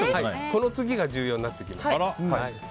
この次が重要になってきます。